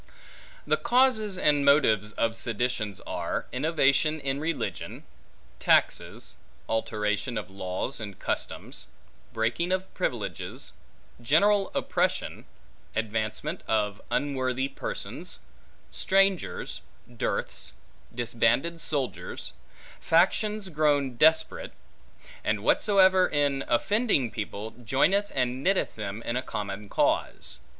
The causes and motives of seditions are, innovation in religion; taxes; alteration of laws and customs; breaking of privileges; general oppression; advancement of unworthy persons; strangers; dearths; disbanded soldiers; factions grown desperate; and what soever, in offending people, joineth and knitteth them in a common cause.